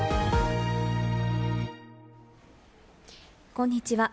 こんにちは。